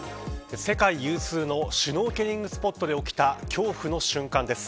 世界有数のシュノーケリングスポットで起きた恐怖の瞬間です。